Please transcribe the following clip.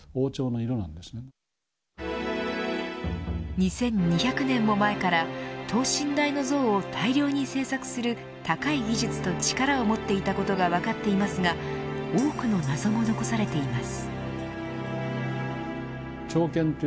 ２２００年も前から等身大の像を大量に制作する高い技術と力を持っていたことが分かっていますが多くの謎も残されています。